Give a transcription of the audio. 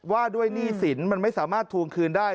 ว่าด้วยหนี้สินมันไม่สามารถทวงคืนได้